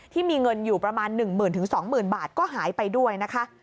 ที่มีเงินอยู่ประมาณ๑หมื่นถึง๒หมื่นบาทก็หายไปด้วยนะคะ